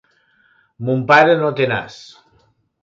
Mon pare no té nas.